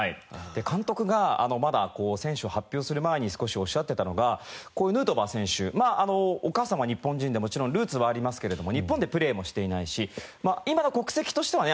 監督がまだ選手を発表する前に少しおっしゃってたのがこうヌートバー選手まあお母様日本人でもちろんルーツはありますけれども日本でプレーもしていないし今の国籍としてはね